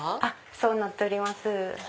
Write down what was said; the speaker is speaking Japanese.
そうなっております。